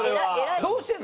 どうしてんの？